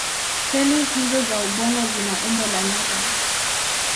Seli hizO za ubongo zina umbo la nyota.